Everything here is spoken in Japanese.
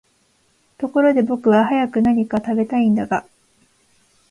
ところで僕は早く何か喰べたいんだが、